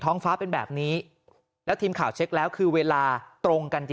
ฟ้าเป็นแบบนี้แล้วทีมข่าวเช็คแล้วคือเวลาตรงกันจริง